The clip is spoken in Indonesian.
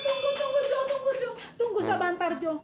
tunggu tunggu tunggu tunggu tunggu sabantar jo